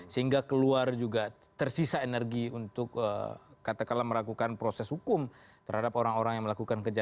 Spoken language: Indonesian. sehingga keluar juga tersisa energi untuk katakanlah melakukan proses hukum terhadap orang orang yang melakukan kejahatan